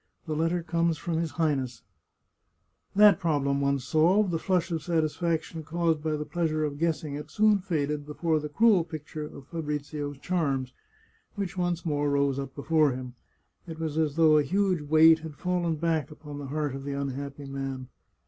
The letter comes from his Highness." 149 The Chartreuse of Parma That problem once solved, the flush of satisfaction caused by the pleasure of guessing it soon faded before the cruel picture of Fabrizio's charms, which once more rose up before him. It was as though a huge weight had fallen back upon the heart of the unhappy man.